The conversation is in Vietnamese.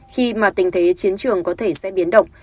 khi mà tình thế chiến trường có thể sẽ biến động